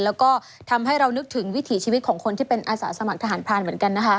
แล้วก็ทำให้เรานึกถึงวิถีชีวิตของคนที่เป็นอาสาสมัครทหารพรานเหมือนกันนะคะ